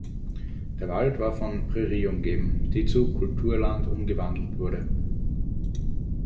Der Wald war von Prärie umgeben, die zu Kulturland umgewandelt wurde.